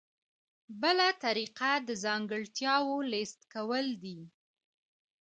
بله طریقه د ځانګړتیاوو لیست کول دي.